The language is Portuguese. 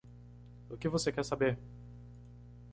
O que você quer saber?